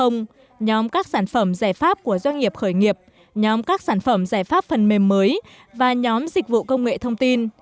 nhóm các sản phẩm giải pháp của doanh nghiệp khởi nghiệp nhóm các sản phẩm giải pháp phần mềm mới và nhóm dịch vụ công nghệ thông tin